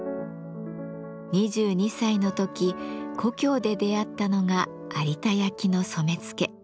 ２２歳の時故郷で出会ったのが有田焼の染付。